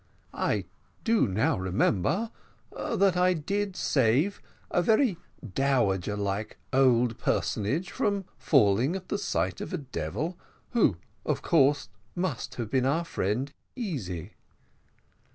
"I do now remember that I did save a very dowager like old personage from falling at the sight of a devil, who, of course, must have been our friend Easy."